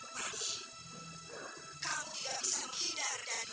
tapi kamu tidak bisa menghindar dari